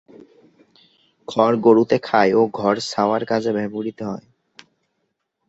খড় গরুতে খায় ও ঘর ছাওয়ার কাজে ব্যবহৃত হয়।